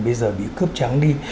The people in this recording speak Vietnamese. bây giờ bị cướp trắng đi